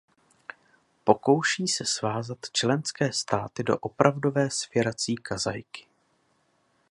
Pokouší se svázat členské státy do opravdové svěrací kazajky.